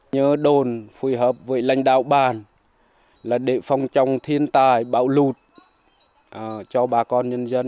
nhớ đồn phù hợp với lãnh đạo ban là để phòng trong thiên tai bảo lụt cho bà con nhân dân